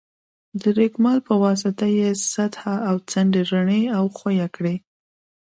د رېګمال په واسطه یې سطحه او څنډې رڼې او ښوي کړئ.